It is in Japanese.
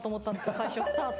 最初のスタート。